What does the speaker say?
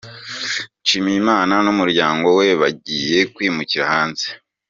Nshimiyimana n’umuryango we bagiye kwimukira hanze